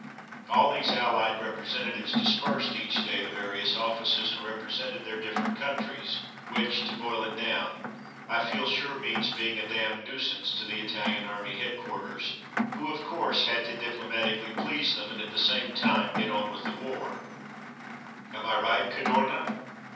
All these Allied representatives dispersed each day to various offices and represented their different countries, which — to boil it down — I feel sure means being a ''damn nuisance'' to the Italian Army Headquarters, who, of course, had to diplomatically please them, and at the same time get on with the war. Off to the Mountains 235 Am I right, Cadorna